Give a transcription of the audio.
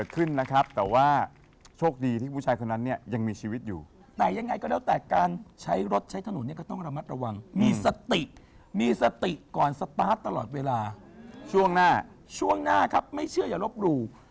คล้ายดัมดังเตอร์